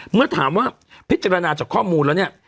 เมื่อถามว่าพิจารณาจากข้อมูลแล้วเนี่ย